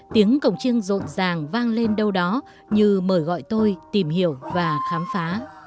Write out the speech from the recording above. tiếng cổng chiêng rộn ràng vang lên đâu đó như mời gọi tôi tìm hiểu và khám phá